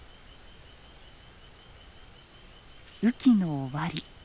雨季の終わり。